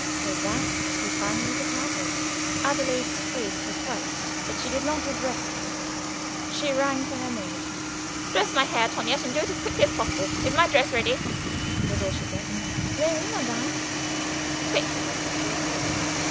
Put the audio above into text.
With that he finally departed. Adelaide's face was white, but she did not address me. She rang for her maid. "Dress my hair, Toinette, and do it as quickly as possible. Is my dress ready?" was all she said. "Mais oui, madame." "Quick!" she repeated.